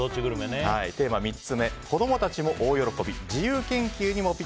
テーマ３つ目子供たちも大喜び！